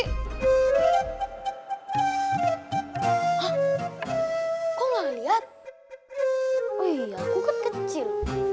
kau ngelihat wuih kecil